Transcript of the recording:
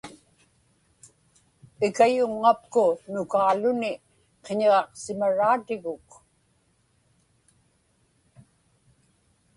Ikayuŋŋapku nukaaluni qiñiġaqsimaraatiguk.